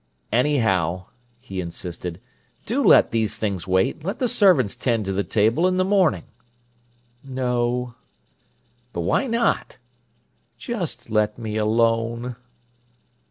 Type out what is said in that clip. "Anyhow," he insisted, "do let these things wait. Let the servants 'tend to the table in the morning." "No." "But, why not?" "Just let me alone."